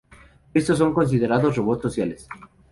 Estos son considerados robots sociales.